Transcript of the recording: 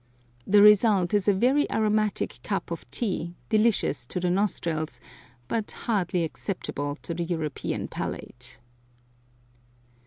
The result is a very aromatic cup of tea, delicious to the nostrils, but hardly acceptable to the European palate.